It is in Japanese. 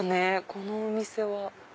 このお店は。